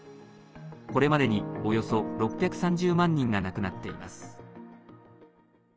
これまでに、およそ６３０万人が亡くなっています。